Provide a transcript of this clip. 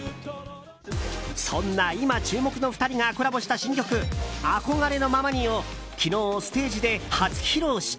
そんな今注目の２人がコラボした新曲「憧れのままに」を昨日、ステージで初披露した。